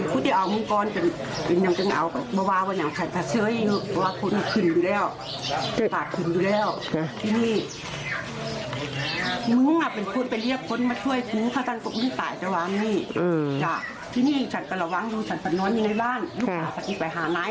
ประวังดูสัตว์สัตว์น้อยมีในบ้านลูกสัตว์สัตว์อีกไปหาน้าย